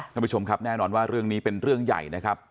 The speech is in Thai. ท่านผู้ชมครับแน่นอนว่าเรื่องนี้เป็นเรื่องใหญ่นะครับ